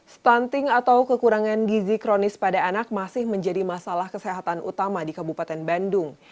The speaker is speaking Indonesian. stunting atau kekurangan gizi kronis pada anak masih menjadi masalah kesehatan utama di kabupaten bandung